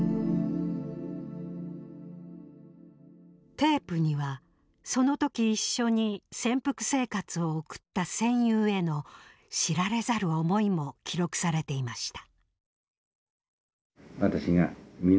テープにはそのとき一緒に潜伏生活を送った戦友への知られざる思いも記録されていました。